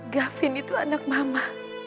gafin itu anak mama